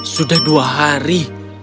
sudah dua hari